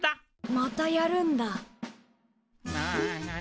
またやるんだ。